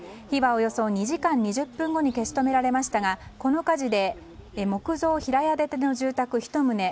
火はおよそ２時間２０分後に消し止められましたがこの火事で木造平屋建ての住宅１棟